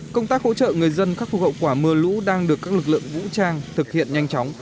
công tác hỗ trợ người dân khắc phục hậu quả mưa lũ đang được các lực lượng vũ trang thực hiện nhanh chóng